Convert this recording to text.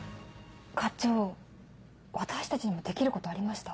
課長私たちにもできることありました。